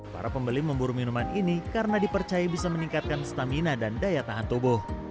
para pembeli memburu minuman ini karena dipercaya bisa meningkatkan stamina dan daya tahan tubuh